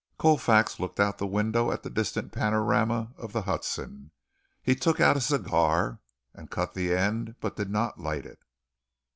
Colfax looked out of the window at the distant panorama of the Hudson. He took out a cigar, and cut the end, but did not light it.